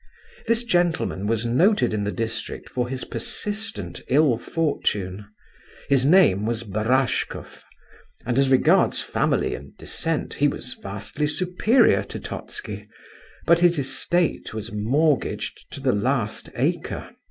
This gentleman was noted in the district for his persistent ill fortune; his name was Barashkoff, and, as regards family and descent, he was vastly superior to Totski, but his estate was mortgaged to the last acre.